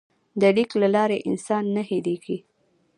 د لیک له لارې انسان نه هېرېږي.